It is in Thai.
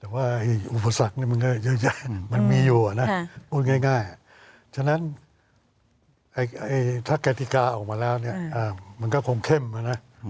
แต่ว่าอุปสรรคนั้นมันใหญ่อยู่อ่ะนะถ้ากะทิกาออกมาแล้วเนี่ยมันก็คงเค้มเอานะ